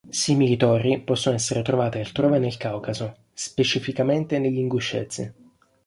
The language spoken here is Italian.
Simili torri possono essere trovate altrove nel Caucaso, specificamente nell'Inguscezia.